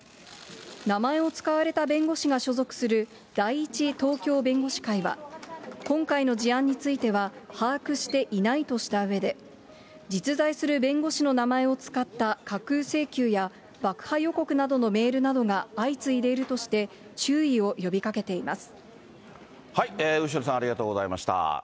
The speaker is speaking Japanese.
名前を使われた弁護士が所属する第一東京弁護士会は、今回の事案については、把握していないとしたうえで、実在する弁護士の名前を使った架空請求や、爆破予告などのメールなどが相次いでいるとして、注意を呼びかけ後呂さん、ありがとうございました。